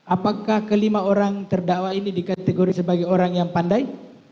apakah kelima orang terdakwa ini dikategori sebagai orang yang pandai